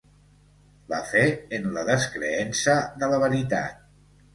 La fe en la descreença de la veritat.